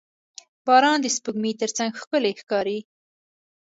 • باران د سپوږمۍ تر څنګ ښکلی ښکاري.